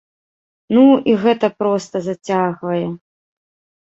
Ну, і гэта проста зацягвае.